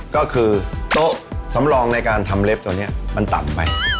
ก็คือโต๊ะสำรองในการทำเล็บตัวนี้มันตัดไป